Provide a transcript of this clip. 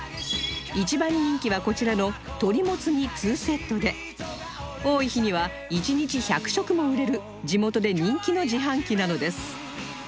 一番人気はこちらの鶏もつ煮２セットで多い日には１日１００食も売れる地元で人気の自販機なのです